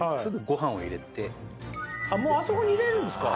あっもうあそこに入れるんですか。